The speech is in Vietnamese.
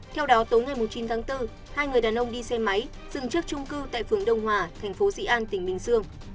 theo đó tối ngày chín tháng bốn hai người đàn ông đi xe máy dừng trước trung cư tại phường đông hòa thành phố dị an tỉnh bình dương